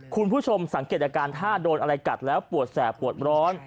คุณผู้ชมสังเกตอาการถ้าโดนอะไรกัดแล้วปวดแสบปวดร้อน